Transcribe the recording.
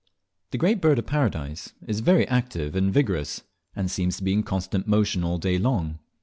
The Great Bird of Paradise is very active and vigorous and seems to be in constant motion all day long.